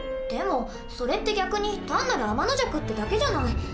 でもそれって逆に単なるアマノジャクってだけじゃない。